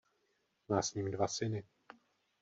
Má s ním dva syny.